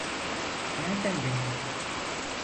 Nerden bildin?